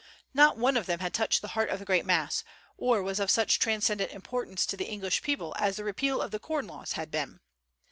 Not one of them had touched the heart of the great mass, or was of such transcendent importance to the English people as the repeal of the corn laws had been.